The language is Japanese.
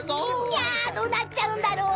［いやぁどうなっちゃうんだろう？